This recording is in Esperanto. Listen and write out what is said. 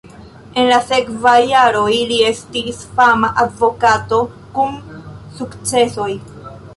En la sekvaj jaroj li estis fama advokato kun sukcesoj.